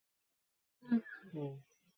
যখন তুমি ওকে রেখে এলে, আমি কৃতজ্ঞ হয়েছিলাম।